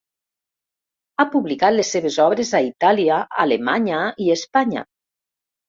Ha publicat les seves obres a Itàlia, Alemanya i Espanya.